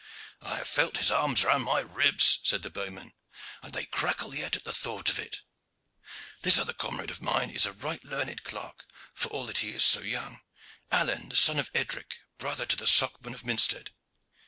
"I have felt his arms round my ribs," said the bowman, "and they crackle yet at the thought of it. This other comrade of mine is a right learned clerk, for all that he is so young, hight Alleyne, the son of Edric, brother to the Socman of Minstead."